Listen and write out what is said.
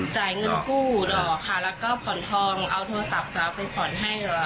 จ่ายเงินกู้ดอกค่ะแล้วก็ผ่อนทองเอาโทรศัพท์สาวไปผ่อนให้เหรอ